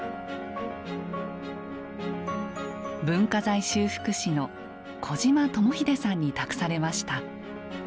文化財修復師の小島知英さんに託されました。